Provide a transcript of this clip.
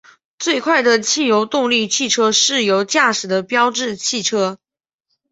最快的汽油动力汽车是由驾驶的标致汽车。